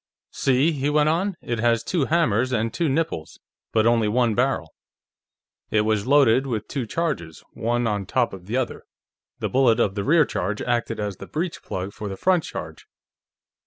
"See," he went on, "it has two hammers and two nipples, but only one barrel. It was loaded with two charges, one on top of the other; the bullet of the rear charge acted as the breech plug for the front charge....